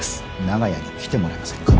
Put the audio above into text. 長屋に来てもらえませんか？